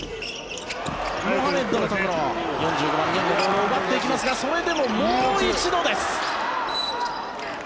モハメッドのところボールを奪っていきますがそれでも、もう一度です。